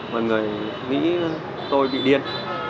mọi người nghĩ tôi bị điên